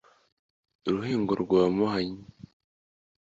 Ruhingo rwa Muhanyi